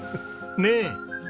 ねえ。